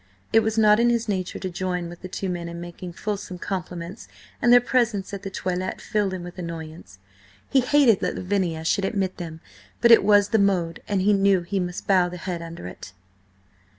It was not in his nature to join with the two men in making fulsome compliments, and their presence at the toilette filled him with annoyance. He hated that Lavinia should admit them, but it was the mode, and he knew he must bow the head under it.